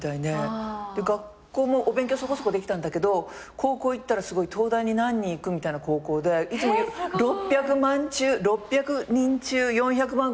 で学校もお勉強そこそこできたんだけど高校行ったら東大に何人行くみたいな高校でいつも６００人中４００番ぐらいなの。